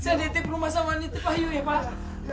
saya ditip rumah sama wanita pak yu ya pak